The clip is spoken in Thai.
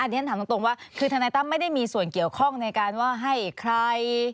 เรียนถามตรงว่าคือทนายตั้มไม่ได้มีส่วนเกี่ยวข้องในการว่าให้ใคร